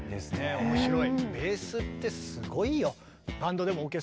面白い。